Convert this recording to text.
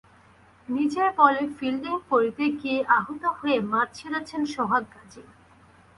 নিজের বলে ফিল্ডিং করতে গিয়ে আহত হয়ে মাঠ ছেড়েছেন সোহাগ গাজী।